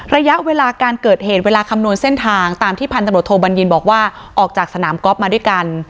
ระยะเวลาการเกิดเหตุเวลาคำนวณเส้นทางตามที่พันตำรวจโทบัญญินบอกว่าออกจากสนามกอล์ฟมาด้วยกัน